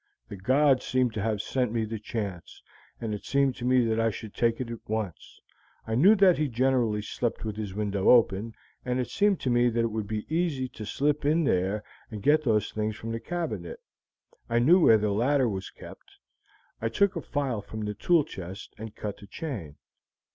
The god seemed to have sent me the chance, and it seemed to me that I should take it at once. I knew that he generally slept with his window open, and it seemed to me that it would be easy to slip in there and to get those things from the cabinet. I knew where the ladder was kept. I took a file from the tool chest and cut the chain."